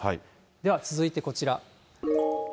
では続いてこちら。